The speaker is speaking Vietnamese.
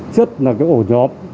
chất là cái ổ nhóm